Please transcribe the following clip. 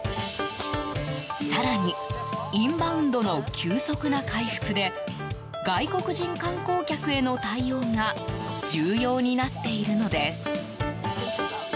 更にインバウンドの急速な回復で外国人観光客への対応が重要になっているのです。